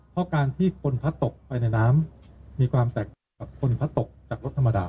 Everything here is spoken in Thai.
เพราะการที่คนพัดตกไปในน้ำมีความแตกกับคนพัดตกจากรถธรรมดา